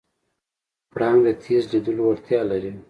پړانګ د تېز لیدلو وړتیا لري.